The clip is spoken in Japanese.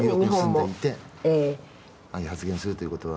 ああいう発言をするということは。